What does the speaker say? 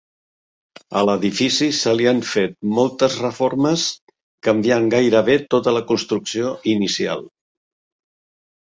A l'edifici se l'hi han fet moltes reformes, canviant gairebé tota la construcció inicial.